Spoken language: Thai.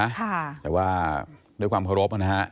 มันก็มีเรื่องของความเชื่อเข้ามาด้วยนะ